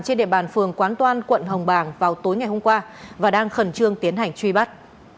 trên địa bàn phường quán toan quận hồng bàng vào tối ngày hôm qua và đang khẩn trương tiến hành truy bắt